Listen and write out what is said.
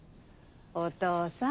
お父さん。